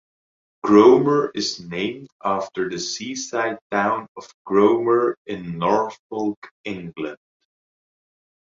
Cromer is named after the seaside town of Cromer, in Norfolk, England.